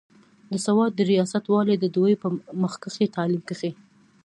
د سوات د رياست والي د دوي پۀ مخکښې تعليم کښې